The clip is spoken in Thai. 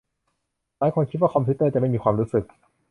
หลายคนคิดว่าคอมพิวเตอร์จะไม่มีความรู้สึก